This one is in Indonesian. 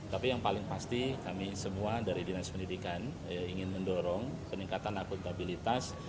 tapi yang paling pasti kami semua dari dinas pendidikan ingin mendorong peningkatan akuntabilitas